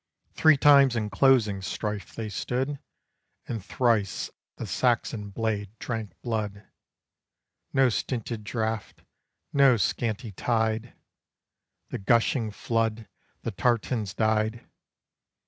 Three times in closing strife they stood, And thrice the Saxon blade drank blood; No stinted draught, no scanty tide, The gushing flood the tartans dyed.